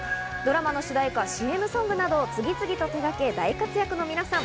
ドラマの主題歌、ＣＭソングなど次々と手がけ大活躍の皆さん。